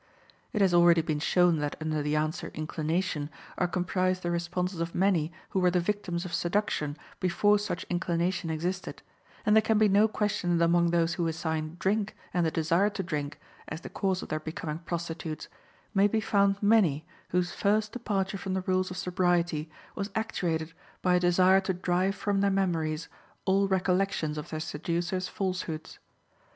It has already been shown that under the answer "Inclination" are comprised the responses of many who were the victims of seduction before such inclination existed, and there can be no question that among those who assign "Drink, and the desire to drink" as the cause of their becoming prostitutes, may be found many whose first departure from the rules of sobriety was actuated by a desire to drive from their memories all recollections of their seducers' falsehoods.